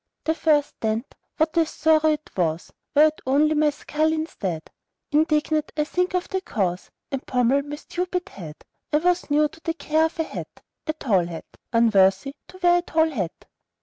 The first dent, what a sorrow it was! Were it only my skull instead! Indignant I think on the cause, And pommel my stupid head. I was new to the care of a hat, A tall hat, Unworthy to wear a tall hat.